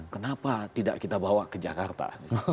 kenapa tidak kita bawa ke jakarta